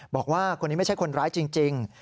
บอกว่าคนนี้ไม่ใช่คนร้ายจริง